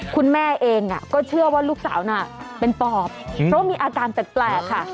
คุณแม่เองก็เชื่อว่าลูกสาวน่ะเป็นปอบเพราะมีอาการแปลกค่ะ